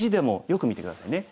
よく見て下さいね。